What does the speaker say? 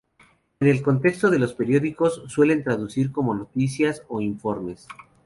En el contexto de los periódicos se suele traducir como "noticias" o "informes".